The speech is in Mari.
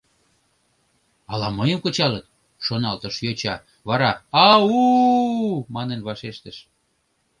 «Ала мыйым кычалыт?» — шоналтыш йоча, вара «а-у!» манын вашештыш!